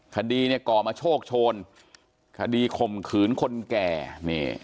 คดีเนี่ยก่อมาโชคโชนคดีข่มขืนคนแก่นี่